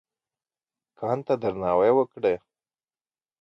کان ته درناوی وکړه.